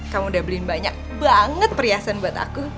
kamu udah beliin banyak banget perhiasan buat aku